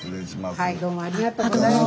はいどうもありがとうございます。